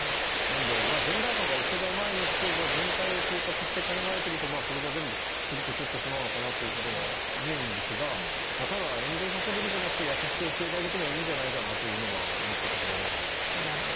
ジェンダー観が１世代前の人が統括していると考えるとこれが全部するととってしまうのかなと考えてしまうんですがただ、炎上させるんじゃなくて優しく教えてあげてもいいんじゃないかなとは思ったところです。